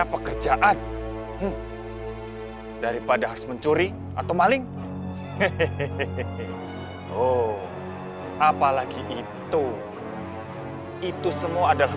pekerjaan daripada harus mencuri atau maling hehehe oh apalagi itu itu semua adalah